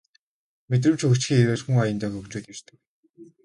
Мэдрэмж хөгжихийн хэрээр хүн аяндаа хөгжөөд ирдэг